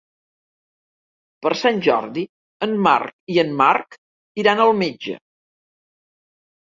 Per Sant Jordi en Marc i en Marc iran al metge.